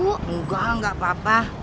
bukan gak apa apa